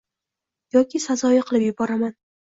Yoki sazoyi qilib yuboraamn